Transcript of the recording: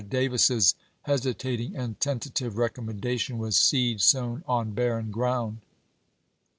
Davis's hesitating and tentative recommendation was seed sown on barren gi'ound.